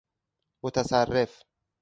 متصرف